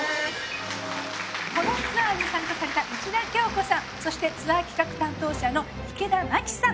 このツアーに参加された内田恭子さんそしてツアー企画担当者の池田真季さん